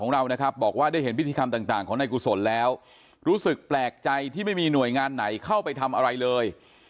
รู้สึกแปลกใจที่ไม่มีหน่วยงานไหนเข้าไปทำอะไรเลย